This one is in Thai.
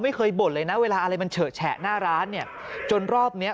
บ่นเลยนะเวลาอะไรมันเฉอะแฉะหน้าร้านเนี่ยจนรอบเนี้ย